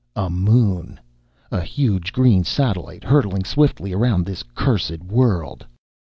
A moon! A huge green satellite hurtling swiftly around this cursed world!